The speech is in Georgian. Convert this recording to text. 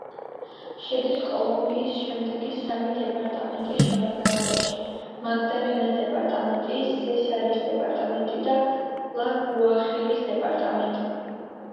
შედის კოლუმბიის შემდეგი სამი დეპარტამენტის შემადგენლობაში: მაგდალენას დეპარტამენტი, სესარის დეპარტამენტი და ლა-გუახირის დეპარტამენტი.